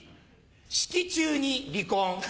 式中に離婚。